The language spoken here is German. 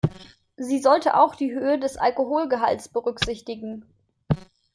Sie sollte auch die Höhe des Alkoholgehalts berücksichtigen.